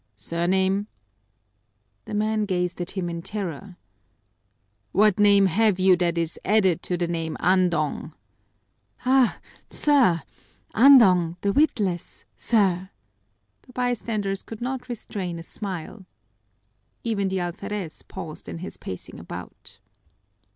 "Surname?" The man gazed at him in terror. "What name have you that is added to the name Andong?" "Ah, sir! Andong the Witless, sir!" The bystander's could not restrain a smile. Even the alferez paused in his pacing about.